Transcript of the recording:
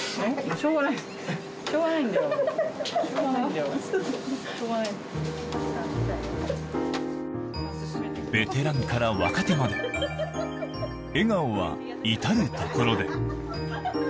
しょうがないベテランから若手まで、笑顔は至る所で。